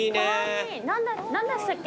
何でしたっけ？